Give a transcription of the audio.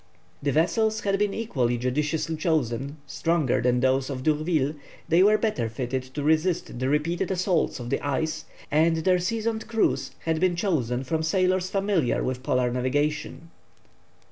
The vessels had been equally judiciously chosen, stronger than those of D'Urville, they were better fitted to resist the repeated assaults of the ice, and their seasoned crews had been chosen from sailors familiar with polar navigation.